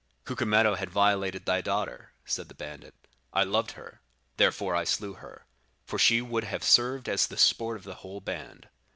"'Cucumetto had violated thy daughter,' said the bandit; 'I loved her, therefore I slew her; for she would have served as the sport of the whole band.